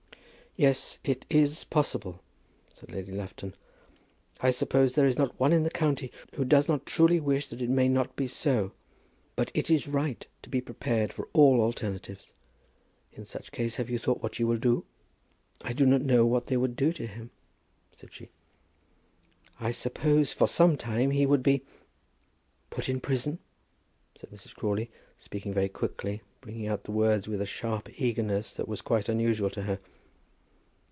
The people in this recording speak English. "Yes; it is possible," said Lady Lufton. "I suppose there is not one in the county who does not truly wish that it may not be so. But it is right to be prepared for all alternatives. In such case have you thought what you will do?" "I do not know what they would do to him," said she. "I suppose that for some time he would be " "Put in prison," said Mrs. Crawley, speaking very quickly, bringing out the words with a sharp eagerness that was quite unusual to her.